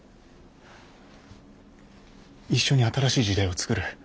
一緒に新しい時代をつくる。